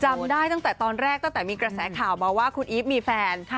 จำได้ตั้งแต่ตอนแรกตั้งแต่มีกระแสข่าวมาว่าคุณอีฟมีแฟน